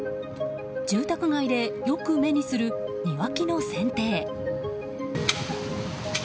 住宅街でよく目にする庭木の剪定。